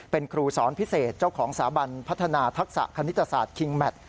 เป็นครูสอนพิเศษเจ้าของสาบันพัฒนาทักษะคณิตศาสตร์คิงแมท